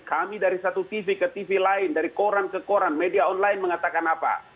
kami dari satu tv ke tv lain dari koran ke koran media online mengatakan apa